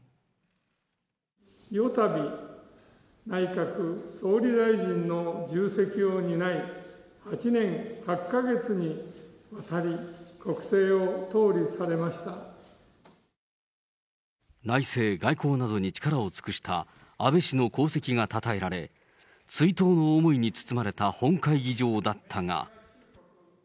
四たび内閣総理大臣の重責を担い、８年８か月にわたり国政を内政、外交などに力を尽くした安倍氏の功績がたたえられ、追悼の思いに包まれた本会議場だったが。